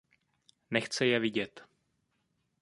Nechce je vidět.